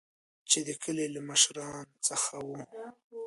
چې د کلي له مشران څخه وو.